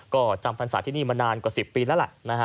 ก็จำพันศาคมที่นี่มานานกว่า๑๐ปีแหละ